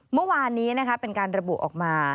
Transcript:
เมื่อวานนี้เป็นการระบุออกมา